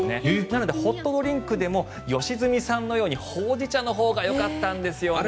なのでホットドリンクでも良純さんのようにほうじ茶のほうがよかったんですよね。